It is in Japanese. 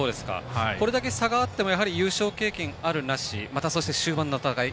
これだけ差があっても優勝経験のあるなしまた、そして終盤の戦い